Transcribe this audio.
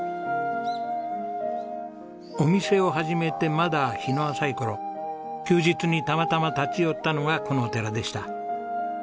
お店を始めてまだ日の浅い頃休日にたまたま立ち寄ったのがこのお寺でした。